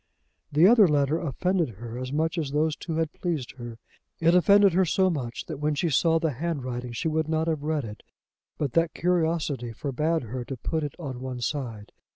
The other letter offended her as much as those two had pleased her. It offended her so much that when she saw the handwriting she would not have read it but that curiosity forbade her to put it on one side.